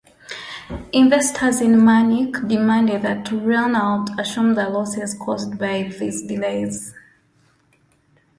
Investors in Manic demanded that Renault assume the losses caused by these delays.